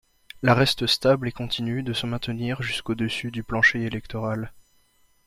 La reste stable et continue de se maintenir juste au-dessus du plancher électoral.